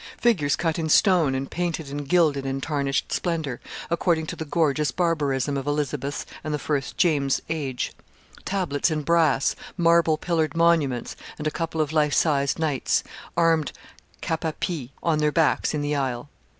Figures cut in stone, and painted and gilded in tarnished splendour, according to the gorgeous barbarism of Elizabeth's and the first James's age; tablets in brass, marble pillared monuments, and a couple of life sized knights, armed cap à pie, on their backs in the aisle.